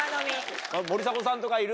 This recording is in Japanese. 森迫さんとかいる？